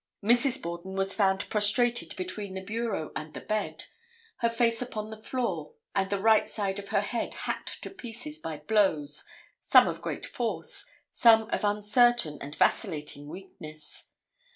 Mrs. Borden was found prostrated between the bureau and the bed, her face upon the floor and the right side of her head hacked to pieces by blows, some of great force, some of uncertain and vacillating weakness.